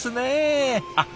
あっ！